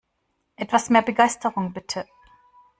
Etwas mehr Begeisterung, bitte!